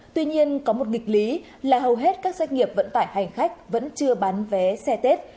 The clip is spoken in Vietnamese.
tuy nhiên có một nghịch lý là hầu hết các doanh nghiệp vận tải hành khách vẫn chưa bán vé xe tết